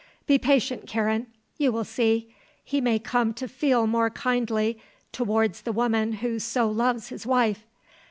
Be patient, Karen. You will see. He may come to feel more kindly towards the woman who so loves his wife.